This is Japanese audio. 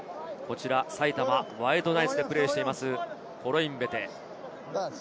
埼玉ワイルドナイツでプレーしているコロインベテ。